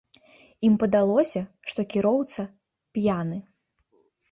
Ім падалося, што кіроўца п'яны.